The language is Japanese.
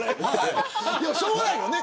しょうがないよね